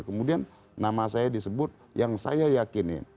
kemudian nama saya disebut yang saya yakini